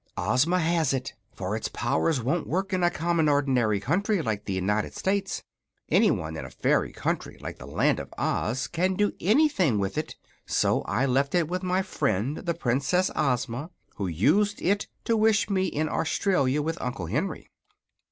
"Ozma has it; for its powers won't work in a common, ordinary country like the United States. Anyone in a fairy country like the Land of Oz can do anything with it; so I left it with my friend the Princess Ozma, who used it to wish me in Australia with Uncle Henry."